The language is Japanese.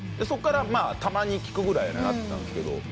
そっからたまに聴くぐらいになったんですけど。